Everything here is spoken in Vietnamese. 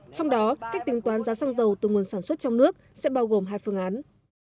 trong đó cách tính toán giá xăng dầu từ nguồn sản xuất trong nước sẽ bao gồm hai phương án